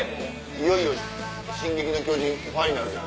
いよいよ『進撃の巨人』ファイナルやな。